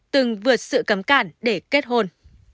từng vượt sự cấm cản để kết hôn